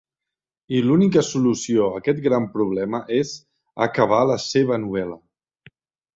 I l'única solució a aquest gran problema és acabar la seva novel·la.